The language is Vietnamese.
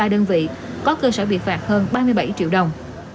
một trăm linh ba đơn vị có cơ sở bị phạt hơn ba mươi bảy triệu đồng